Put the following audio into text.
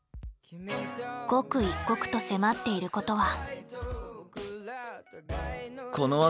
刻一刻と迫っていることは。